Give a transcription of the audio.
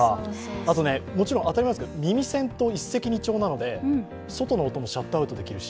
あと、もちろん耳栓と一石二鳥なので外の音もシャットアウトできるし。